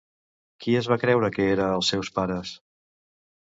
Qui es va creure que era els seus pares?